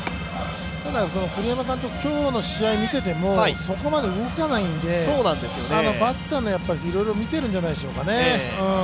栗山監督、今日の試合見ててもそこまで動かないんでバッターをいろいろ見ているんじゃないでしょうかね。